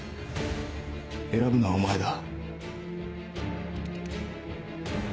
選ぶのはお前だ。